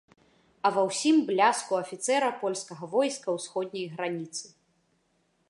А ва ўсім бляску афіцэра польскага войска ўсходняй граніцы.